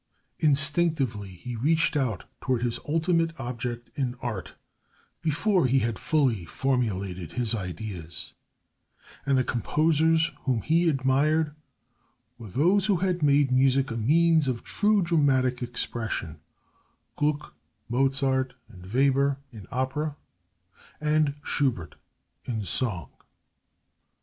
Instinctively he reached out toward his ultimate object in art before he had fully formulated his ideas; and the composers whom he admired were those who had made music a means of true, dramatic expression Gluck, Mozart and Weber, in opera, and Schubert in song.